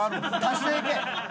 足していけ！